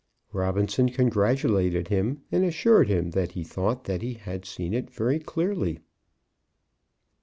Robinson congratulated him, and assured him that he thought he had seen it very clearly.